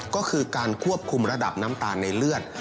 ก็คือการควบคุมระดับน้ำตาลในเลือด